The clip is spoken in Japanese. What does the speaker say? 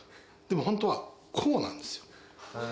でも本当はこうなんですよ。